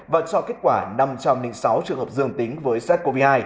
và cho kết quả năm trăm linh sáu trường hợp dương tính với sars cov hai